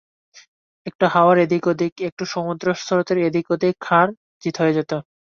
একটু হাওয়ার এদিক ওদিক, একটু সমুদ্র-স্রোতের এদিক ওদিকে হার জিত হয়ে যেত।